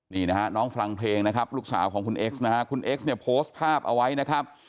นี่นะฮะน้องฟังเพลงนะครับลูกสาวของคุณเอ็กซ์นะฮะคุณเอ็กซเนี่ยโพสต์ภาพเอาไว้นะครับ